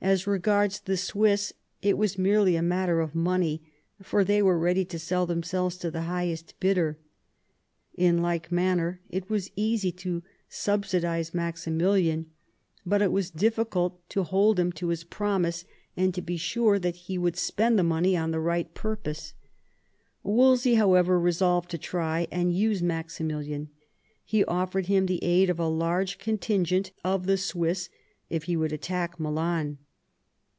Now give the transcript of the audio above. As regards the Swiss, it was merely a matter of money, for they were ready to sell themselves to the highest bidder. In like manner it was easy to subsidise Maximilian, but it was difficult to hold him to his promise and be sure that he would spend the money on the right purpose. Wolsey, however, resolved to try and use Maximilian ; he offered him the aid of a large contingent of the Swiss if he would attack Milan.